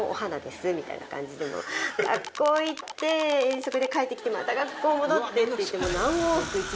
学校行って遠足で帰ってきてまた学校戻ってっていって。